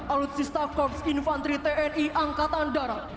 alutsista korps infanteri tni angkatan darat